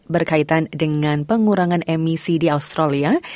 berkaitan dengan pengurangan emisi di australia